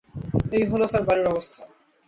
এই হল স্যার বাড়ির অবস্থা।